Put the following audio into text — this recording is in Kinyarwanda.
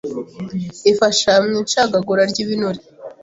ifasha mu icagagura ry’ibinure,